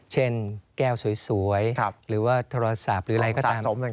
เช่นแก้วสวยหรือว่าโทรศัพท์หรืออะไรก็ตาม